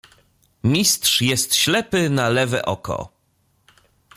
"Mistrz jest ślepy na lewe oko."